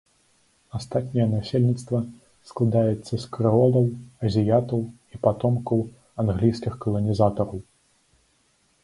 Астатняе насельніцтва складаецца з крэолаў, азіятаў і патомкаў англійскіх каланізатараў.